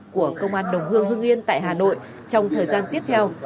của công an đồng hương hương yên tại hà nội trong thời gian tiếp theo